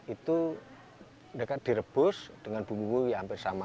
itu mereka direbus dengan bumbu yang sama